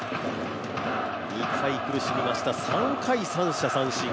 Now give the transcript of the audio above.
２回苦しみました、３回三者三振。